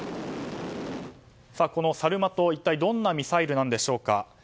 このサルマト、一体どんなミサイルなんでしょうか。